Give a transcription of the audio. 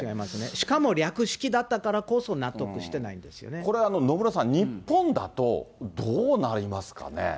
しかも略式だったからこそ、これ野村さん、日本だと、どうなりますかね？